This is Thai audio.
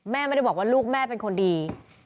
แม่ไม่ได้บอกว่าลูกแม่เป็นคนดี